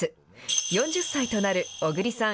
４０歳となる小栗さん。